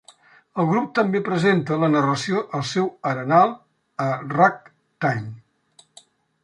El grup també presenta la narració al seu arenal a Ragtime.